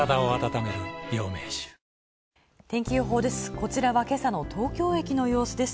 こちらは今朝の東京駅の様子です。